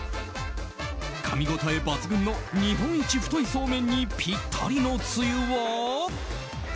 かみ応え抜群の日本一太いそうめんにぴったりのつゆは？